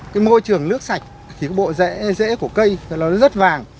cái môi trường nước sạch thì cái bộ rễ của cây nó rất vàng